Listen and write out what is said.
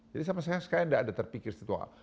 jadi sama sekali saya tidak ada terpikir seperti itu